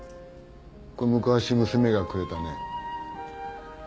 これ昔娘がくれたね